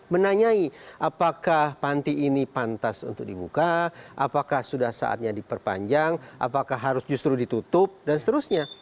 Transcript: menanyai apakah panti ini pantas untuk dibuka apakah sudah saatnya diperpanjang apakah harus justru ditutup dan seterusnya